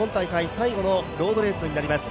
最後のロードレースとなります